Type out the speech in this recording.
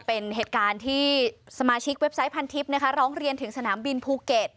เป็นเหตุการณ์ที่สมาชิกเว็บไซต์พันทิพย์นะคะร้องเรียนถึงสนามบินภูเก็ต